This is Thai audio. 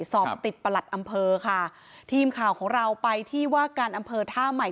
สอบติดประหลัดอำเภอค่ะทีมข่าวของเราไปที่ว่าการอำเภอท่าใหม่